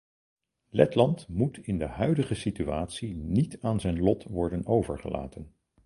Letland moet in de huidige situatie niet aan zijn lot worden overgelaten.